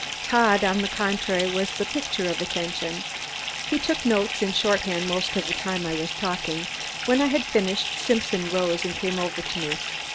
Todd, on the contrary, was the picture of attention. He took notes in shorthand most of the time I was talking. When I had finished, Simpson rose and came over to me.